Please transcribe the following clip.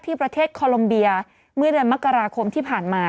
ประเทศคอลมเบียเมื่อเดือนมกราคมที่ผ่านมา